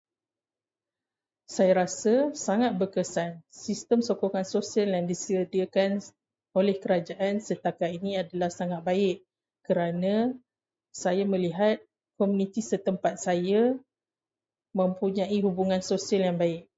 Saya rasa sangat berkesan. Sistem sokongan sosial yang disediakan oleh kerajaan setakat ini adalah sangat baik kerana saya melihat komuniti setempat saya mempunyai hubungan sosial yang baik.